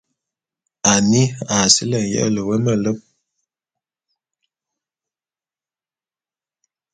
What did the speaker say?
Annie a sili nyele wé meleb.